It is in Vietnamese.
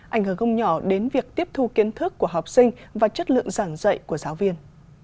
anh hờ gông nhỏ đến việc tiếp thu kiến thức của học sinh và chất lượng giảng dạy của giáo viên